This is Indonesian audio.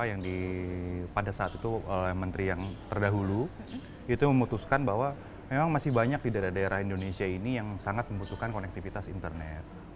yang pada saat itu oleh menteri yang terdahulu itu memutuskan bahwa memang masih banyak di daerah daerah indonesia ini yang sangat membutuhkan konektivitas internet